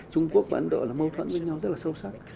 trung quốc và ấn độ là mâu thuẫn với nhau rất là sâu sắc